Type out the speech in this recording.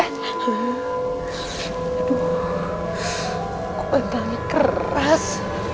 aduh kok bantalnya keras